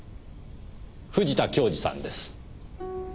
藤田恭二さんです。